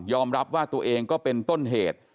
รับว่าตัวเองก็เป็นต้นเหตุ